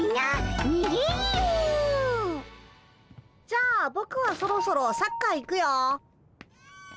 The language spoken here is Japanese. じゃあぼくはそろそろサッカー行くよ。